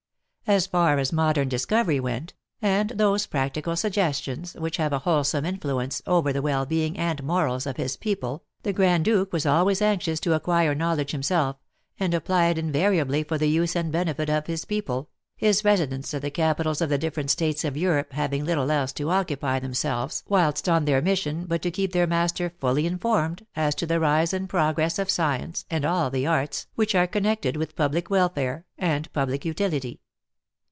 As far as modern discovery went, and those practical suggestions which have a wholesome influence over the well being and morals of his people, the Grand Duke was always anxious to acquire knowledge himself, and apply it invariably for the use and benefit of his people, his residents at the capitals of the different states of Europe having little else to occupy themselves whilst on their mission but to keep their master fully informed as to the rise and progress of science and all the arts which are connected with public welfare and public utility.